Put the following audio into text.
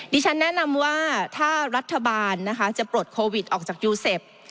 ฉันแนะนำว่าถ้ารัฐบาลนะคะจะปลดโควิดออกจากยูเซฟ